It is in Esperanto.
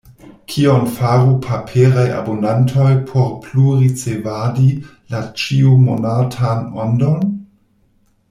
Kion faru paperaj abonantoj por plu ricevadi la ĉiumonatan Ondon?